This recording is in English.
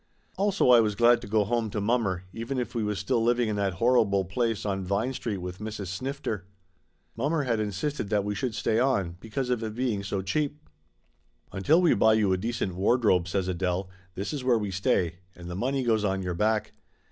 Also I was glad to go home to mommer, even if we was still living in that horrible place on Vine Street with Mrs. Snifter. Mommer had insisted that we should stay on, because of it being so cheap. "Until we buy you a decent wardrobe," says Adele, "this is where we stay, and the money goes on your back.